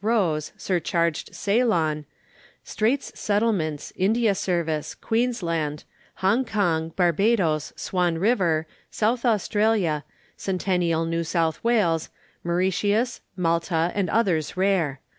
rose, surcharged Ceylon, Straits Settlements, India Service, Queensland, Hong Kong, Barbados, Swan River, South Australia, Centennial New South Wales, Mauritius, Malta, and others rare.